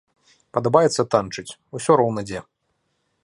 Падабаецца танчыць, усё роўна дзе.